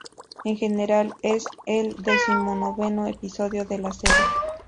En general, es el decimonoveno episodio de la serie.